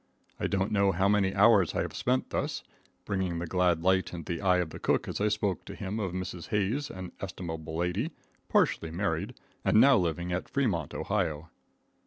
I don't know how many hours I have thus spent, bringing the glad light into the eye of the cook as I spoke to him of Mrs. Hayes, an estimable lady, partially married, and now living at Fremont, Ohio.